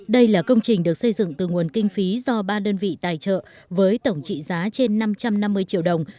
đây là công trình được xây dựng từ nguồn kinh phí do ba đơn vị tài trợ với tổng trị giá trên năm trăm năm mươi triệu đồng